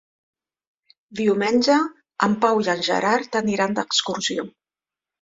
Diumenge en Pau i en Gerard aniran d'excursió.